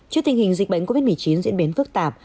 trước tình hình dịch bệnh covid một mươi chín diễn biến phức tạp